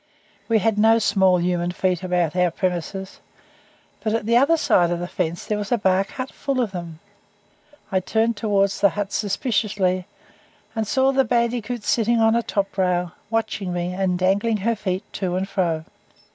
We had no small human feet about our premises, but at the other side of the fence there was a bark hut full of them. I turned toward the hut suspiciously, and saw the bandicoot sitting on a top rail, watching me, and dangling her feet to and fro.